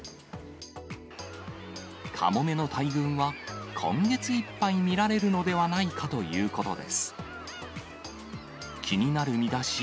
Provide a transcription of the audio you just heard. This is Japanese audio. カモメの大群は、今月いっぱい見られるのではないかということです。